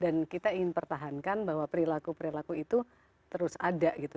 kita ingin pertahankan bahwa perilaku perilaku itu terus ada gitu